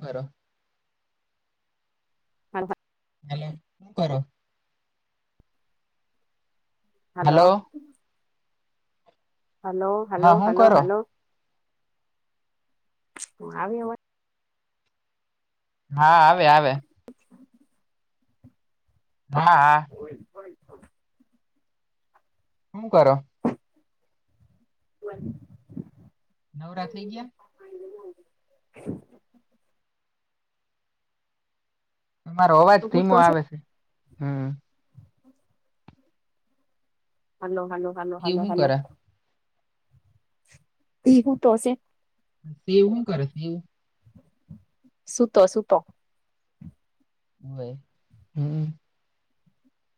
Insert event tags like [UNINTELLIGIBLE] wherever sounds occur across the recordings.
હરો. હા હા. હલો શું કરો? હલો. હલો હલો હા હલો હું હલો કરો આયો અવાજ? હા આવે આવે. [INAUDIBLE] હા હા. કોઈ પણ હું કરો? [UNINTELLIGIBLE] નવરાત્રી ક્યા? તમારો અવાજ ધીમો આવે છે હમ્મ. [INAUDIBLE] હલ્લો હલો હલો સેવ હલો શું હલો. કરે ધીમો તો શે દેવું હું કરશ દેવું સુતો સુતો હોવે હમ્મ.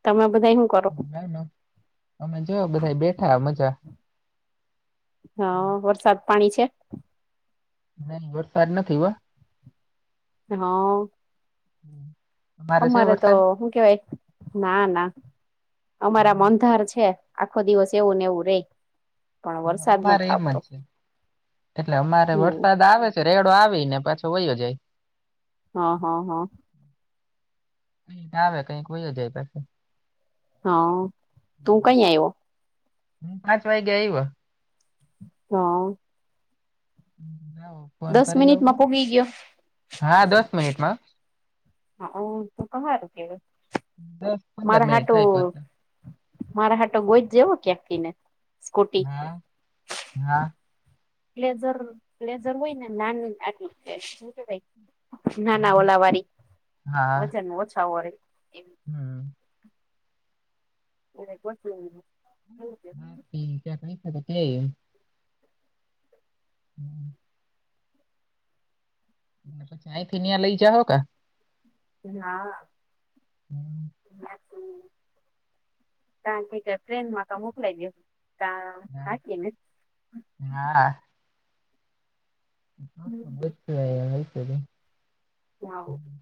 તમે બધાએ હું [UNINTELLIGIBLE] અમે જોયા બધા બેઠા મજા હા વરસાદ પાણી છે? નહી વરસાદ નથી હો હઓ હમ્મ. અમારે તો હું કેવાય ના ના અમારા મ અંધાર છે. આખો દિવસ એવું ને એવું રે પણ વરસાદ અમારે નથી એમ જ આવતો છે એટલે અમારે હમ વરસાદ આવે છે. રેડો આવી ને પાછો વયો જાય. હા હા હા. આવે કઈક વ્યો જાય કઈક હા તું કઈ આયવો પાંચ વાગે આયવો. હા. જા હું ફોન દસ કરી લઉ મિનિટમાં પોગી ગયો હા દસ મિનિટમાં [UNINTELLIGIBLE] મારા દસ પંદર મિનિટ થાય હાટું પોતે. મારા હાતું ગોઈ ત જે ક્યાંકથીને સ્કૂટી હા હા. પ્લેઝર પ્લેઝર હોય ને નાની આટલું શું કેવાય. નાના હમ. ઓલા વાળી હા. વજન ઓછો હોય. એવી હમ. [UNINTELLIGIBLE] કંઈક [UNINTELLIGIBLE] [INAUDIBLE] ચાય ધનીયા લઈ જાહોકા. હા હમ, [UNINTELLIGIBLE] [UNINTELLIGIBLE] મોકલાઈ દેવ. તા હા. [UNINTELLIGIBLE] હા. [UNINTELLIGIBLE] હાવ. હમ,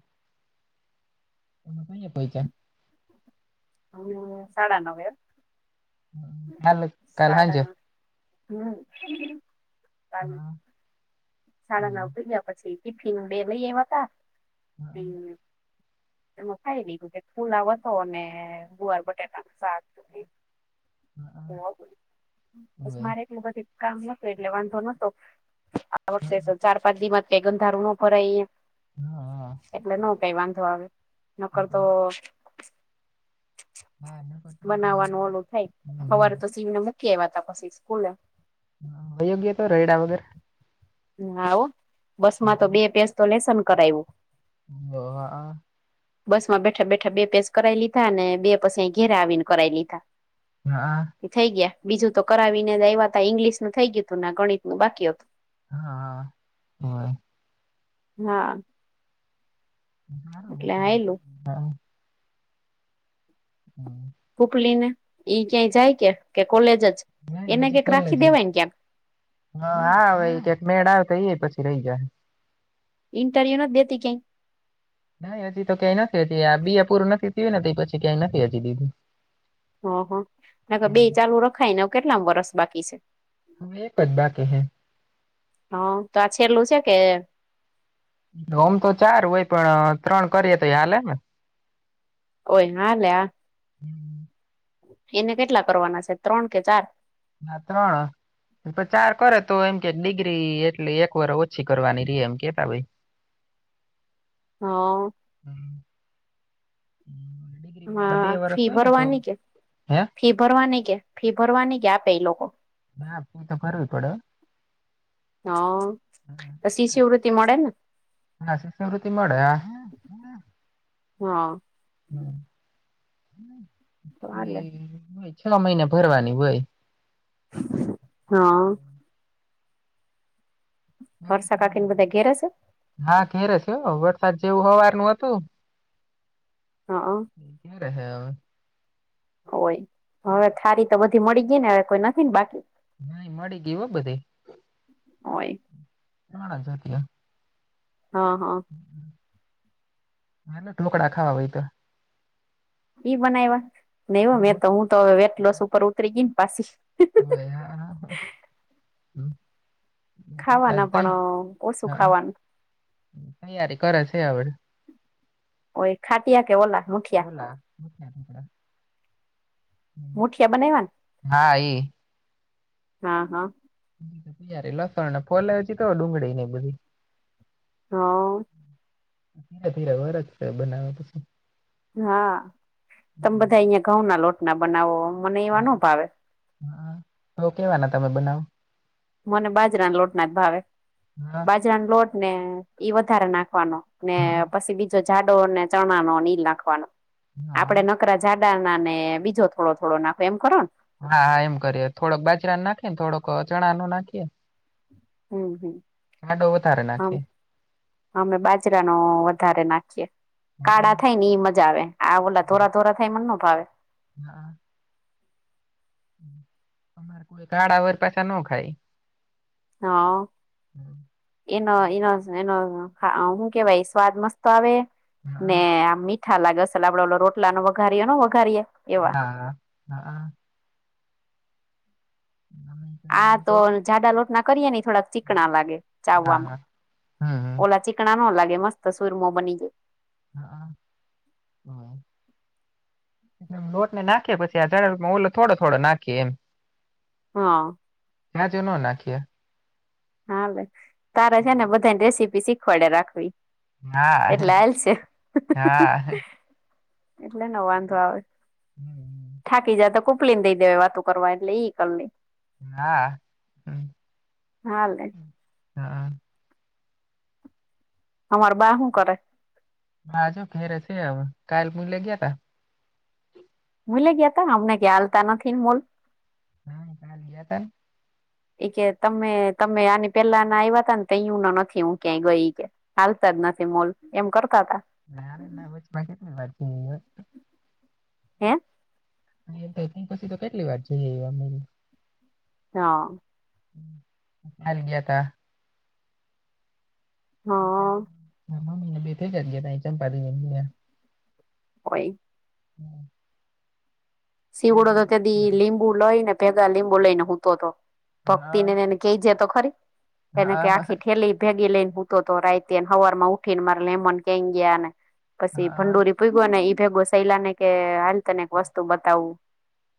તમે અહિંયા પહોંચ્યા. અમે સાડા નવે. હમ, કાલ કાલ સાડા હાંજે. નવે. હમ [UNINTELLIGIBLE] હા સાડા નવ હોવે. થઈ ગયા. પછી ટીફીન બે લ ઈ હા [UNINTELLIGIBLE] એમાં ખાઈ લીધું કે [UNINTELLIGIBLE] અને ગુવાર બટાકા શાક હા [UNINTELLIGIBLE] હોવે. મારે એક વખતે કામ [UNINTELLIGIBLE] એટલે વાંધો નતો. આ વર્ષે તો ચાર પાંચ [UNINTELLIGIBLE] ન ભરાય એમ. હા હા એટલે ન કઈ વાંધો આવે, નકર તો. હા હા નકર તો વળી. બનાવાનું ઓલું થાય, હમ હમ સવારે તો શિવને મૂકી આવ્યા હતા પછી સ્કૂલે. [UNINTELLIGIBLE] [UNINTELLIGIBLE] બસમાં તો હા બે પેજ તો લેસન કરાયવું. [INAUDIBLE] બસમાં બેઠા બેઠા બે પેજ કરાય લીધા, અને બે પછી ઘેરે આવીને કરાવી લીધા. હા. થઈ ગયા, બીજું તો કરાવીને આવ્યા હતા ઈંગ્લિશનું થઈ ગયું હતું અને આ ગણિતનું બાકી હતું. હા, હા. હા. એટલે આયલું [UNINTELLIGIBLE] હમ્મ. [UNINTELLIGIBLE] ને એ ક્યાંય જાય કે કે કોલેજ જ. નઈ, એને હજી કઈક રાખી કોલેજે. દેવાય ને ક્યાંક હા, આવ એ કંઈક મેળા જઈએ પછી રહી ગયા. ઇન્ટરયા ન દેતી કઈ. નઈ હજી તો ક્યાંય નથી [UNINTELLIGIBLE] પૂરું નથી થયું ને, તો પછી ક્યાંય નથી હજી દીધું. ઓહ, [UNINTELLIGIBLE] ને કેટલામુ વર્ષ બાકી છે. હવે એક જ બાકી છે. હા, તો આ છેલ્લું છે કે. ઓમ તો ચાર હોય, પણ ત્રણ કરીએ તો હાલે. ઓય [UNINTELLIGIBLE] એને કેટલા કરવાના છે, ત્રણ કે ચાર. અ ત્રણ. એમ તો ચાર કરે તો એમ કે ડિગ્રી એટલે, એક વર્ષ ઓછી કરવાની રહે એમ કેતા હોય. [INAUDIBLE] હ. ડિગ્રીમાં તો બે હા વર્ષ ફી હોય ને તો, ભરવાની કે હે. ફી ભરવાની કે ફી ભરવાની કે, આપે એ લોક. ના ફી તો ભરવી પડે. હા, તો શિષ્યવૃત્તિ મળે ને [UNINTELLIGIBLE] શિષ્યવૃતિ મળે હા. હ. તો હાલે છ મહિને ભરવાની હોય. હા. હર્ષા કાકી ને બધા ઘેરે સે. હા ઘેરે છે, વરસાદ જેવું હવારનું હતું. હા. [UNINTELLIGIBLE] હોય, હવે થાળી તો બધી મળી ગઈ ને હવે કોઈ નથી ને બાકી. નહી મળી ગયું બ. [UNINTELLIGIBLE] [UNINTELLIGIBLE] હ, હ. હાલો ઢોકળા ખાવા હોય તો. ઈ બનાવવા, [UNINTELLIGIBLE] મે તો હું તો વેટલોસ ઉપર ઉતરી ગઈ ને પાછી. હવે હા હમ ખાવાના પણ ઓછું ખાવાનું. તૈયારી કરે છે હવે. ઓઈ ખાટીયા કે ઓલા? મુઠિયા મુઠિયા બનાવ્યા [INAUDIBLE] હા ઈ. હા હા હજી તો તિયારી લસણને ફોલે હજુ તો ડુંગળીને એ બધી હા ધીરે ધીરે [INAUDIBLE] બનાવ્યા પછી. હા તમે બધા અહિયાં ઘઉંના લોટના બનાવો મને એવા હા ન ભાવે. હા તો કેવાના તમે બનાવો? મને બાજરાના લોટના જ ભાવે. હા બાજ જરાનો લોટ ને ઈ વધારે નાખવાનો. ને પછી બીજો જાડો ને ચણાનો ઈ નાખ ખવાનો. હા હા આપણે નકરા જાડાના ને બીજો થોડો થોડો નાખો એમ કરો ને? હા હા એમ કરીએે. થોડોક બાજરાનો નાખીએ ને, થોડોક ચણાનો નાખીએ. હમ હમ જાડો વધારે હમ નાખીએ. અમે બાજરાનો વધારે નાખીએ. કાળા થાય ને એ મજા આવે. આ ઓલા ધોરા ધોરા થાય મન નો ભાવે. હા અમાર કોઈ કાળા વર પાછા નો ખાય. હા એનો એનો એનો હઆ હું કહેવાય સ્વાદ મસ્ત આવે હા ને આ મીઠ મીઠા લાગે અસલ આપડે ઓલો રોટલા ને વઘારીએ નો વઘારીએ એવા હા હઆ હમ આ તો જાડા લોટના કરીએ ને એ થોડાક ચીકણા લાગે ચાવવામાં. હા હમ ઓલા ચીક ચીકણા નો લાગે મસ્ત સુરમો બની જાય. હઅ હોવે. એટલે આમ લોટને નાખીએ પછી આ દળમાં ઓલો થોડો થોડો નાખીએ એમ. હા જાજી નો નાખીએ. હાલે તારે છે ને બધાને રેસીપી શીખવાડે રાખવી. હા એટલે હાલસે. હા હા એટલે ન વાંધો આવે. થાકી જાતો કુપ લીને દઈ દેવાય વાતો કરવા એટલે ઈ કર લેય. હા હમ. હાલે. હઅ અમારા બા હું કરે? બા જો ઘરે છે હવે કાલ મૂલે ગયાતા. મૂલે ગયાતા અમને કે આલતા નથી ને મૂલ. હમ કાલ ગયાતા ને. એ કે તમે તમે આની પેલા ના આવ્યા તાને તઈ હું ના નથી હું ક્યાંય ગઈ ઈકે. આલતા જ નથી મુલ. એમ કરતા તા. નારે ના હે [INAUDIBLE] એ પેકિંગ પછી તો કેટલી વાર જઈ આયવા અમેએ. હા. હાલ ગયા તા. હા [INAUDIBLE] હોય. હમ. સીવડો તો તેથી લીંબુ લઈ ને પેદા લીંબુ લઈ ને હુંતો તો, ભક્તિ ન્યા ને એને કેઈ જે તો ખરી એને કે હા હા આખી હા ઠેલી ભેગી લઈ ને હું તો રાઈ તેલ હવારમાં ઉઠી ને મારા લેમન કઈ ગયા ને પછી હા ભંડોરી ભીગો ને ઈ ભે બેસૈલા ને કે હાલ તને એક વસ્તુ બતા બતાવું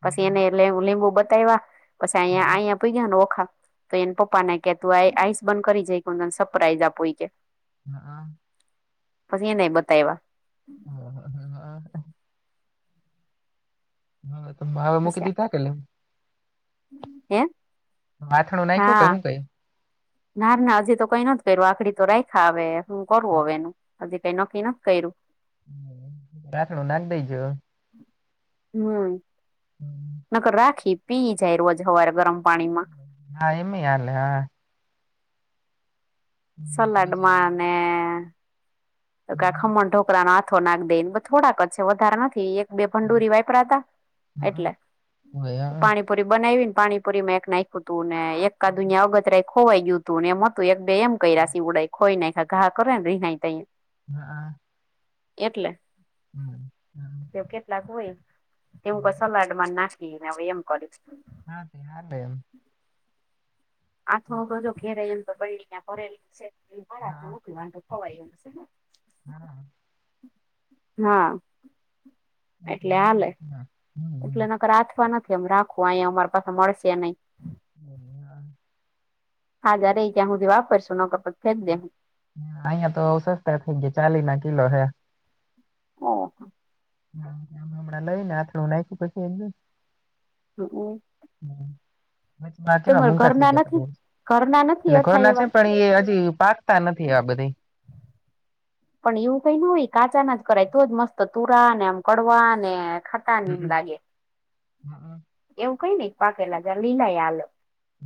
પછી એને એ લીંબુ બતાવ્યા પછી આયા આયા ગયા ને ઓખા તો એને પપ્પા ને કે, તું આઈસ બંધ કરી જાયને સરપ્રાઈઝ આપ ઈ કેય હા. પછી એનેય બતાયવા. હ-હ-હા-હા. હા તો મારે મૂકી પછી ને કા ગયેલી હે. બાથણું નાયખુ હા કે હુ કઈ. ના ના હજી તો કઈ નથી કર્યું આખડી તો રાયખા અવે હું કરવું હવે એનું. હજી કઈ નકી નથી કર્યું. રાતણું નાખી દઈજો. હમ. હમ. નકર રાખી પી જાય રોજ હવારે ગરમ પાણીમા હા એમય હાલે હા. સલાડમા ને તો કા ખમણ ઢોકળા નો આથો નાખી દેયને થોડાક જ છે વધારે નથી એક બે ભંડૂરી વાયપરા હતા એટલે, પાણી પુરી બનાવી ને પાણીપુરી માં એક નાખ્યું તું ને એકા [UNINTELLIGIBLE] અગતરાય ખોવાઈ ગય હતું ને એ તું એક બે એમ ક્યા શે ઉડાખ હોય ને તો ઘા કરે ને રીહ ત હા. એટલે. હમ-હમ. તે કેટલાક હોય એ હું કે સલાડમાં નાખીને હવે એમ કરશ. હા તયાર એમ. આથો જો ઘેરે એમ તો બડીંગ ભરેલી છે. [UNINTELLIGIBLE] મોકલવા તો ખવાય એમ છે ને. હા હા એટલે ના લ હાલે ના. એટલે એનાક આથવા નથી અમ રાખવા અહીયા અમારી પાસે મળશે નઈ. ના હા જા રહી ત્યાં હુંધી વાપરશું નો તો ફેંક દેહુ. અહિયા તો સસ્તા થઇ ગયા ચાલી ના કિલો હે. ઓહ. હા હમણાં લઈ ને આટલું નાખ્યું પછી [UNINTELLIGIBLE] [UNINTELLIGIBLE] વચમાં આ કેવા તમાર મોંઘા થઇ ઘરના ગ્યા તા નથી બહું જ ઘરના નથી એટલે અથાય ઘરના એવા છે પણ ઇ એ હજી પાકતા નથી એવા બધાય. પણ એવું કઈ ના હોય એ કાચા ના જ કરાય તો જ મસ્ત તુરા ને આમ કડવા ને ખા હમ્મ હમ્મ. એવું કંઈ નઈ પાકેલા જ, લીલાય હાલે.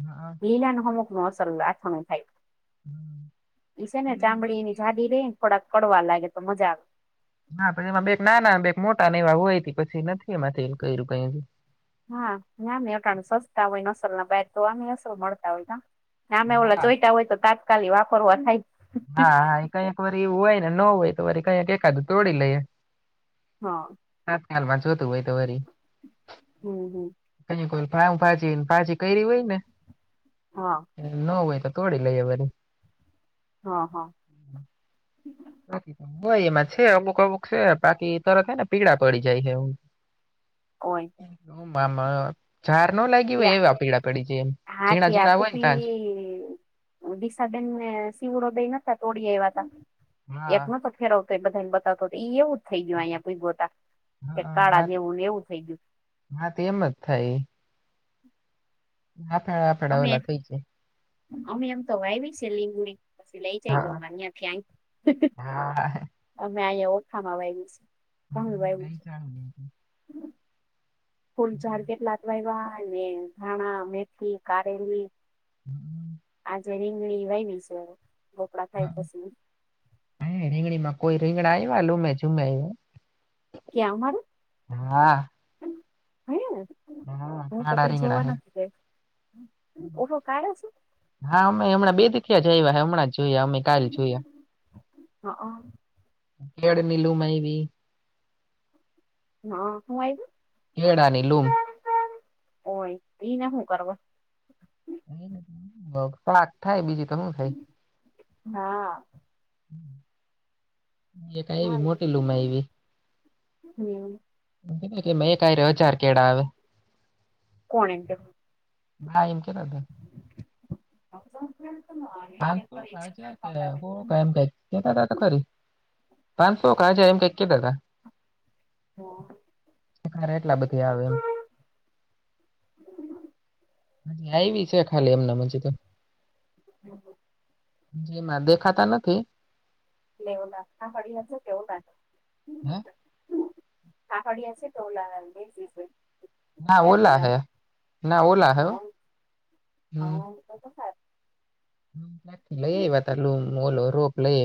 હા. લીલા ન અમુક ન અસલ અથાણું થાય. હમ. ઈ છે ને એટલે એમાં ચામડી ઇની પછી જાડી રેને. થોડાક કડવા લાગે તો મજા આવે. હા પછી એમાં બે એક નાના ન બે એક મોટા ને એવા હોય પછી નથી એમાંથી ન કર્યું કાંઈ હજી. હા નામ એ અટાણે સસ્તા હોય નસલ ના બેગ તો આમે અસલ મળતા હોય. નામે ઓલા હા ચોઈતા હોય તો તાત્કાલિક વાપરવા થાય. હા હા એ કંઈક વળી એવું હોય ને ન હોય તો વળી કંઈક એકાદું તોડી લઈએ. હા તત્કાલમાં જોતું હોય તો વળી. હમ હમ કઈએ કોઈની પાવભાજી ને ભાજી કરી હોય ને. હા. ન હોય તો તોડી લઈએ વળી. હા હા. હોય એમાં છે અમુક અમુક છે બાકી તરત હે ને પીળા પડી જાય છે એવું. [INAUDIBLE] [UNINTELLIGIBLE] મા ઝાર ન લાગી હોય ત્યાં એવા પીળા પડી જઈએ એમ હા ઝીણા ઝીણા હોય ને તા જ. દિશાબેેનને સીવડો બે નતા તોડી આવ્યા તા એક હા નતો ફેરવતો એ બધાને બતાવતો એ એવું જ થઈ ગ્યું અહિયાં પુઈગો તા કે કાળા હા જેવું ને એવું થઈ ગ્યું. હા તે એમ જ થાય ઇ. અમે [UNINTELLIGIBLE] અમે એમ તો વાઇવી છે લીંબુડી પછી લઈ જજો માર યાથી આઈ હા મેં અહિયાયા ઓખામાં વાઇવ્યું સ. [UNINTELLIGIBLE] દહીં વાઇવ્યું. ચાલુ લે ફુલઝાડ કેટલાક વાયવ્યા ને ધાણા મેથી કારેલી [INAUDIBLE] આજે રીંગણી વાઇવી સે [UNINTELLIGIBLE] થાય પસી. અય રીંગણીમાં કોઈ રીંગણા આવ્યા લુમે જુમે આઈવા. કે અમારૂ આવ્યા હા હા હું તો કાળા કઈ રીંગણા જોવા હે નથી ગઈ. [UNINTELLIGIBLE] કાઢ્યો છે. હા અમે હમણાં બે [UNINTELLIGIBLE] હમણાં જ જોયા અમે. કાલ જોયા હા હા કેળની લૂમ આવી. હા હું આઈવી? કેળાની લુંમ ઓય પી ને હું કરવા [UNINTELLIGIBLE] થાય બીજી તો શું થાય? હા. એક હા આયવી મોટી લૂમ આયવી. હમ એમ કે [UNINTELLIGIBLE] કે એક હારે હજાર કેળા આવે. કોણે કે હા એકે નથી [INAUDIBLE] હા હાલ તો કા છે કે હો ધ્યાન ભાઈ કેતા તો ખરી પાચસો ખાય છે એમ કઈ કે તા હા એટલા બધી આવે એમ નહી બીજે ખલે એમને હજી તો હમ હમ જેમાં દેખાતા નથી. [UNINTELLIGIBLE] [UNINTELLIGIBLE] [UNINTELLIGIBLE] હે, [UNINTELLIGIBLE] ના ઓલા હૈ, ના ઓલા હૈ. હમ્મ [UNINTELLIGIBLE] થી લઈ આય વાતા લમ ઓલો રોપ લઈ